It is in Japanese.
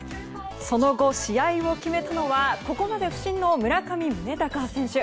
その後、試合を決めたのはここまで不振の村上宗隆選手。